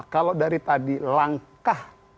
kalau dari tadi langkah